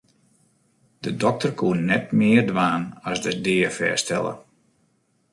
De dokter koe net mear dwaan as de dea fêststelle.